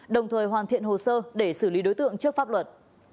đồng thời hoàn thiện hồ sơ để xử lý đối tượng trước pháp luật